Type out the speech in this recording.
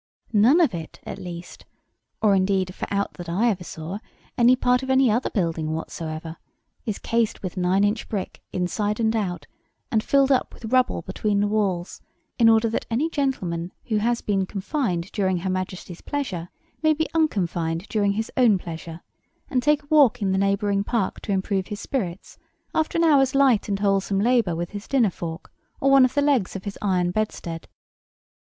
None of it, at least—or, indeed, for aught that I ever saw, any part of any other building whatsoever—is cased with nine inch brick inside and out, and filled up with rubble between the walls, in order that any gentleman who has been confined during Her Majesty's pleasure may be unconfined during his own pleasure, and take a walk in the neighbouring park to improve his spirits, after an hour's light and wholesome labour with his dinner fork or one of the legs of his iron bedstead.